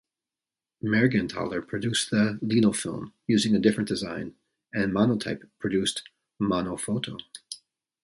Mergenthaler produced the Linofilm using a different design, and Monotype produced Monophoto.